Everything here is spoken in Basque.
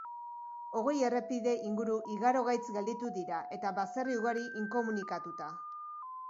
Hogei errepide inguru igarogaitz gelditu dira, eta baserri ugari, inkomunikatuta.